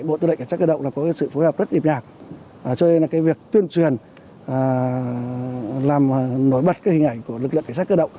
bộ tư lệnh cảnh sát cơ động là có cái sự phối hợp rất hiệp nhạc cho nên là cái việc tuyên truyền làm nổi bật cái hình ảnh của lực lượng cảnh sát cơ động